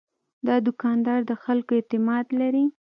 دا دوکاندار د خلکو اعتماد لري.